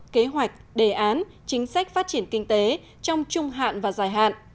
kế hoạch đề án chính sách phát triển kinh tế trong trung hạn và dài hạn